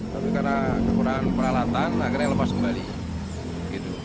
tapi karena kekurangan peralatan akhirnya lepas kembali